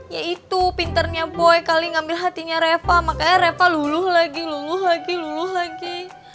ya itu pinternya boy kali ngambil hatinya reva makanya reva luluh lagi luluh lagi luluh lagi